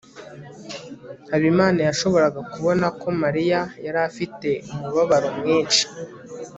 habimana yashoboraga kubona ko mariya yari afite umubabaro mwinshi